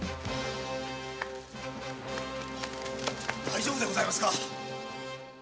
大丈夫でございますか？